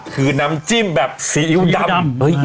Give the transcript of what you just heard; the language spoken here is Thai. คือน้ำจิ้มแบบซีอิ๊วดำ